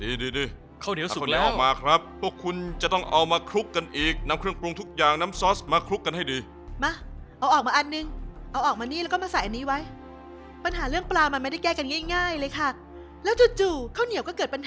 อีกนานแล้วนะคะเพราะตู้อบนั้นมันยังไม่ได้สักที